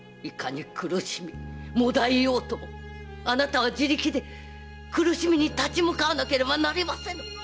いかに苦しみ悶えようともあなたは自力で苦しみに立ち向かわなければなりませぬ！